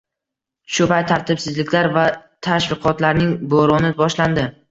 Shu payt tartibsizliklar va tashviqotlarning "bo'roni" boshlandi